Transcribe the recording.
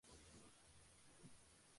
Carly Pearce nació en Taylor Mill, Kentucky.